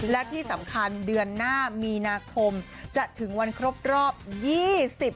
และที่สำคัญเดือนหน้ามีนาคมจะถึงวันครบรอบ๒๐ปี